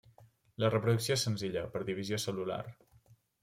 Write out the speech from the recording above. La reproducció és senzilla, per divisió cel·lular.